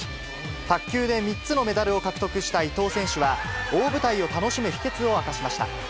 卓球で３つのメダルを獲得した伊藤選手は、大舞台を楽しむ秘けつを明かしました。